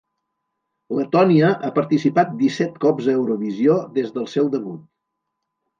Letònia ha participat disset cops a Eurovisió des del seu debut.